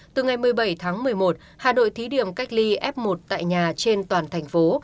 từ ngày một mươi bảy tháng một mươi một hà nội thí điểm cách ly f một tại nhà trên toàn thành phố